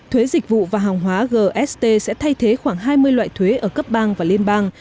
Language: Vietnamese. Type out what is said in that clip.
thuế dịch vụ và hàng hóa gst sẽ thay thế khoảng hai mươi loại thuế ở cấp bang và liên bang